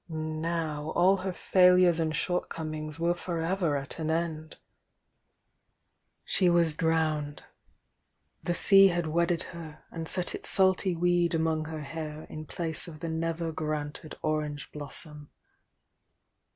— now all her failures and shortcomings were for ever at an end! She was drowned;— the sea had wedded her and set its salty weed among her hair in place of the never granted orange blossom.